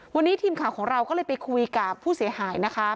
วันนี้ทีมข่าวของเราก็เลยไปคุยกับผู้เสียหายนะคะ